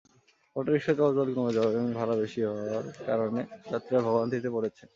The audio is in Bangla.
অটোরিকশা চলাচল কমে যাওয়ায় এবং ভাড়া বেশি হওয়ার কারণে যাত্রীরা ভোগান্তিতে পড়েছেন।